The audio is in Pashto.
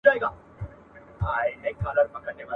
نه څپلۍ نه به جامې د چا غلاکیږي ..